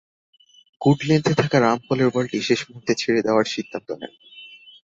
Good লেন্থে থাকা রামপলের বলটি শেষ মুহূর্তে ছেড়ে দেওয়ার সিদ্ধান্ত নেন।